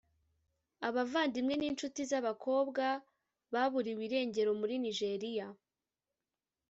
Abavandimwe n’inshuti z’abakobwa baburiwe irengero muri Nigeriya